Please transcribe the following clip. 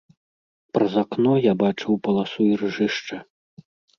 Праз акно я бачыў паласу іржышча.